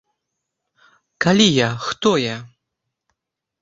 Калі я, хто я?